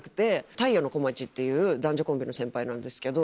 「太陽の小町」っていう男女コンビの先輩なんですけど。